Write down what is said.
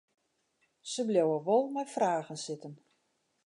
Se bliuwe wol mei fragen sitten.